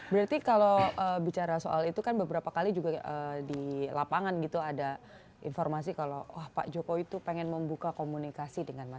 berarti kalau bicara soal itu kan beberapa kali juga di lapangan gitu ada informasi kalau wah pak jokowi itu pengen membuka komunikasi dengan masyarakat